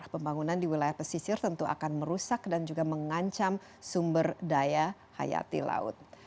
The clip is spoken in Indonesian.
pembangunan di wilayah pesisir tentu akan merusak dan juga mengancam sumber daya hayati laut